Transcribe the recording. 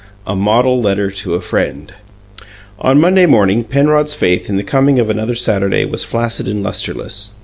A MODEL LETTER TO A FRIEND On Monday morning Penrod's faith in the coming of another Saturday was flaccid and lustreless.